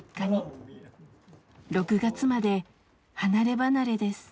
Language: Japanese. ６月まで離れ離れです。